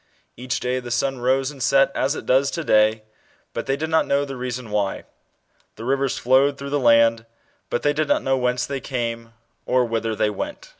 Each day the sun rose and set as it does to day, but they did not know the reason why : the rivers flowed through the land, but they did not know whence they came, or whither they went.